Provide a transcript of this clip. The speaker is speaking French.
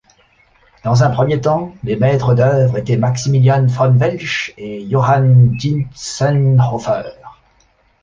Dans un premier temps, les maîtres d'œuvre étaient Maximilian von Welsch et Johann Dientzenhofer.